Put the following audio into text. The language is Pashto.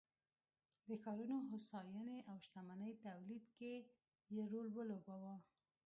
د ښارونو هوساینې او شتمنۍ تولید کې یې رول ولوباوه